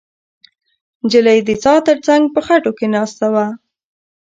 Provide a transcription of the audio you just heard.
نجلۍ د څا تر څنګ په خټو کې ناسته وه.